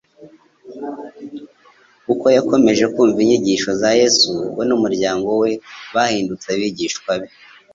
Uko yakomeje kumva inyigisho za Yesu, we n’umuryango we bahindutse abigishwa be.